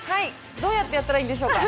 どうやってやったらいいんでしょうか？